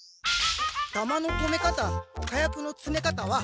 たまのこめ方火薬のつめ方は。